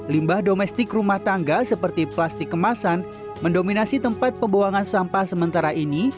limbah domestik rumah tangga seperti plastik kemasan mendominasi tempat pembuangan sampah sementara ini